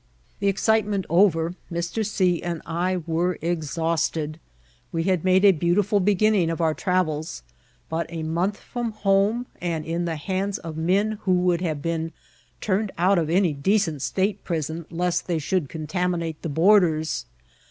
The excitement over, Mr. C. and I were exhausted* We had made a beautiful beginning of our travels ; but a month from home, and in the hands of men who would have been turned out of any decent state prison lest they should contaminate the boarders.